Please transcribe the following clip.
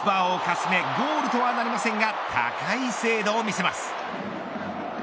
クロスバーをかすめゴールとはなりませんが高い精度を見せます。